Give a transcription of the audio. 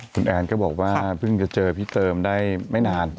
คุณแอนก็บอกว่าเพิ่งจะเจอพี่เติมได้ไม่นาน